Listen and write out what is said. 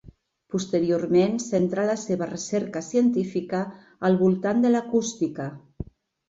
Posteriorment centrà la seva recerca científica al voltant de l'acústica.